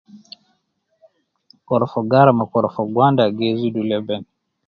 Korofo gara me korofo gwanda gi zidu leben